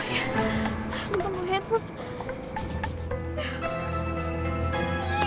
oh iya aku ketemu edward